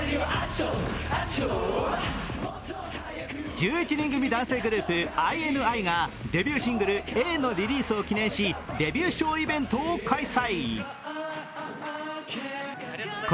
１１人組男性グループＩＮＩがデビューシングル「Ａ」のリリースを記念し、デビューショーイベントを開催。